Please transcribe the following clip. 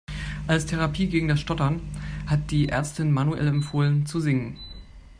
Als Therapie gegen das Stottern hat die Ärztin Manuel empfohlen zu singen.